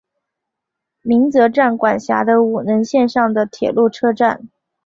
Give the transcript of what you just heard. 鸣泽站管辖的五能线上的铁路车站。